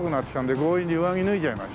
強引に上着脱いじゃいました。